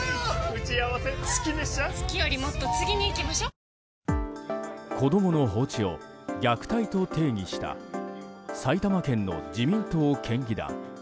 「特茶」子供の放置を虐待と定義した埼玉県の自民党県議団。